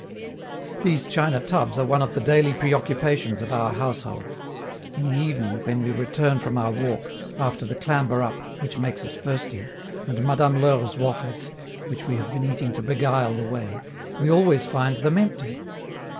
These china tubs are one of the daily preoccupations of our household: in the evening, when we return from our walk, after the clamber up, which makes us thirsty, and Madame L'Heure's waffles, which we have been eating to beguile the way, we always find them empty.